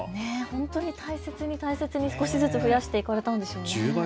本当に大切に少しずつ増やしていかれたんですね。